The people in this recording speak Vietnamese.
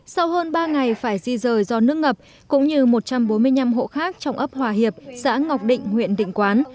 sau hơn ba ngày phải di rời do nước ngập cũng như một trăm bốn mươi năm hộ khác trong ấp hòa hiệp xã ngọc định huyện định quán